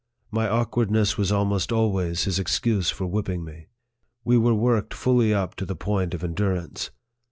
My awkwardness was almost always his excuse for whipping me. We were worked fully up to the point of endurance.